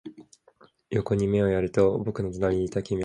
横に目をやると、僕の隣にいた君がいなかった。君は生垣の端に駆けていた。